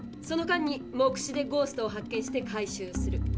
その間に目視でゴーストを発見して回収する。